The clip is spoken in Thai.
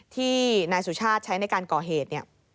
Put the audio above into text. ที่นายสุชาติใช้ในการก่อเหตุเนี่ย